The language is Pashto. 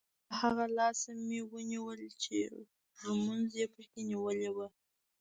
له هغه لاسه مې ونیول چې ږومنځ یې په کې نیولی وو.